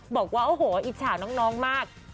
บอกว่าโอ้โหอิจฉาน้องมาก